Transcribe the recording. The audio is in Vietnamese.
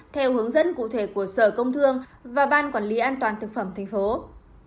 theo hướng dẫn cụ thể của sở công thương và ban quản lý an toàn thực phẩm tp hcm